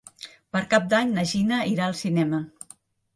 Per Cap d'Any na Gina irà al cinema.